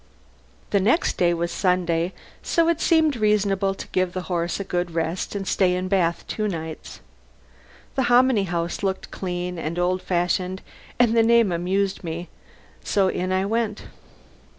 The next day was Sunday, so it seemed reasonable to give the horse a good rest and stay in Bath two nights. The Hominy House looked clean and old fashioned, and the name amused me, so in I went.